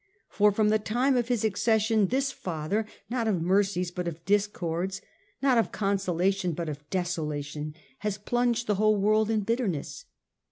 For from the time of his accession this Father, not of mercies but of discords, not of consolation but of desolation, has plunged the whole world in bitterness.